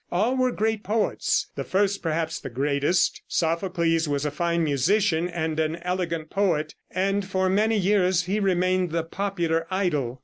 All were great poets, the first perhaps the greatest. Sophocles was a fine musician and an elegant poet, and for many years he remained the popular idol.